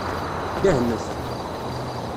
Dehmet.